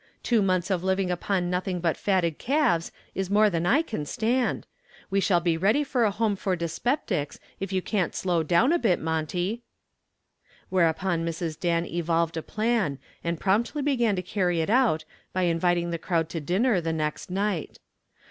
Two months of living upon nothing but fatted calves is more than I can stand. We shall be ready for a home for dyspeptics if you can't slow down a bit, Monty." Whereupon Mrs. Dan evolved a plan, and promptly began to carry it out by inviting the crowd to dinner the next night.